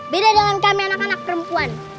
beda dengan kami anak anak perempuan